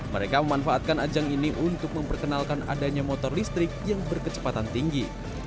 mereka memanfaatkan ajang ini untuk memperkenalkan adanya motor listrik yang berkecepatan tinggi